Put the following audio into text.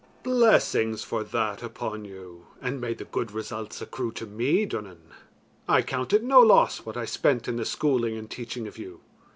"Blessings for that upon you and may the good results accrue to me, Duanan. I count it no loss what I spent in the schooling and teaching of you.